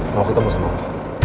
mau ketemu sama bu